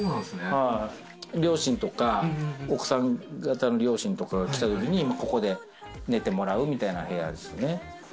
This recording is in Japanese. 両親とか奥さん方の両親とかが来た時にここで寝てもらうみたいな部屋ですね。